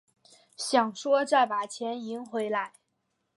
想说再把钱赢回来